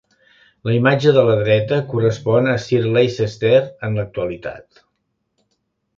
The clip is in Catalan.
La imatge de la dreta correspon a Sir Leicester en l'actualitat.